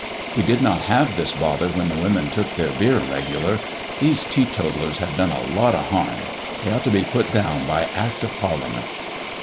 We did not have this bother when the women took their beer regular. These teetotallers have done a lot of harm. They ought to be put down by Act of Parliament."